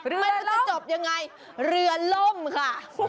มันจะจบยังไงเหลือล่มค่ะ